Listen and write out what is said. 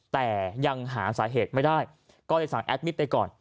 แต่ยังหาสาเหตุไม่ได้ก็เลยสั่งแอดมิตรไปก่อน